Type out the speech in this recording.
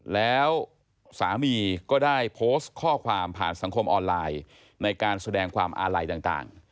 แล้วสามีก็ได้โพสต์ข้อความผ่านสังคมออนไลน์ในการแสดงความอาลัยต่าง